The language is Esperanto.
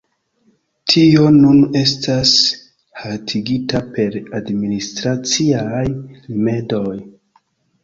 Tio nun estas haltigita per administraciaj rimedoj.